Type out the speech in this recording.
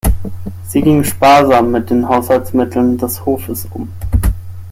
Sie ging sparsam mit den Haushaltsmitteln des Hofes um.